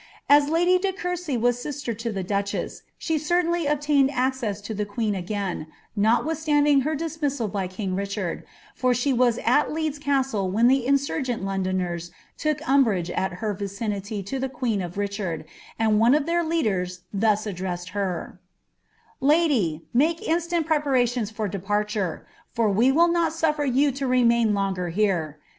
As lady de Conrcy was AisU'r lo the duchess, she certainly obtained acccHS to the queen strain, notwiihsifuiding her dismissul by king Birhard, for she ' UinU Castle when the insurgent Londoners look umbrage i Tjeinily to llie ipieen of Ricliacd, and one of their leaders tlius addressed hrt: —•» iMiVt make iuBlant preporsiions of departure, for we will nol suffer to remain longer here.